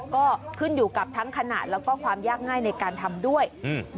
ก็ขึ้นอยู่กับทั้งขนาดแล้วก็ความยากง่ายในการทำด้วยอืม